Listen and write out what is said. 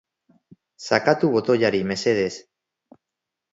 Sakatu botoiari mesedez.